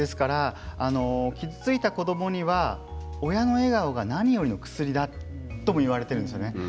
傷ついた子どもには親の笑顔が何よりの薬だともいわれています。